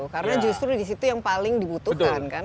karena justru disitu yang paling dibutuhkan kan